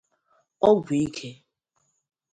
ọgwụ ike